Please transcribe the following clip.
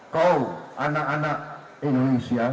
kau anak anak indonesia